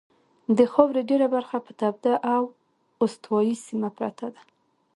د خاورې ډېره برخه په توده او استوایي سیمه پرته ده.